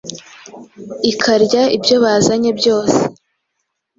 ikarya ibyo bazanye byose